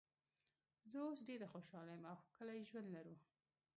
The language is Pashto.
زه اوس ډېره خوشاله یم او ښکلی ژوند لرو.